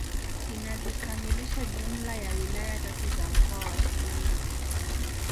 Inazikamilisha jumla ya wilaya tatu za mkoa wa Shinyanga